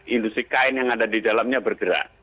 industri kain yang ada di dalamnya bergerak